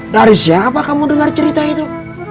dari siapa kamu dengar cerita itu